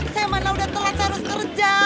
saya mana udah telat harus kerja